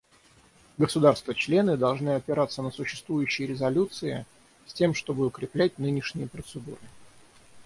Государства-члены должны опираться на существующие резолюции, с тем чтобы укреплять нынешние процедуры.